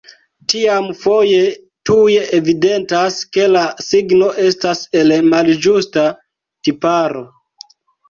Tiam foje tuj evidentas, ke la signo estas el malĝusta tiparo.